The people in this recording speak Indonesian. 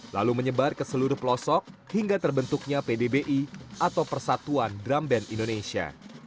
lalu menyebar ke seluruh pelosok hingga terbentuknya pdbi atau persatuan drum band indonesia